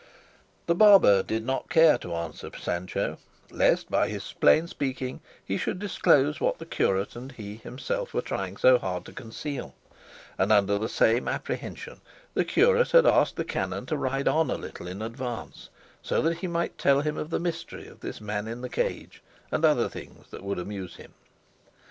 The barber did not care to answer Sancho lest by his plain speaking he should disclose what the curate and he himself were trying so hard to conceal; and under the same apprehension the curate had asked the canon to ride on a little in advance, so that he might tell him the mystery of this man in the cage, and other things that would amuse him.